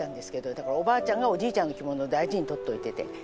だからおばあちゃんがおじいちゃんの着物を大事にとっておいてて。